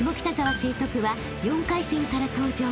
成徳は４回戦から登場］